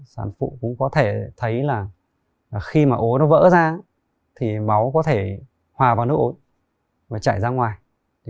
sản phụ cũng có thể thấy là khi mà ối nó vỡ ra thì máu có thể hòa vào nước ối và chảy ra ngoài thì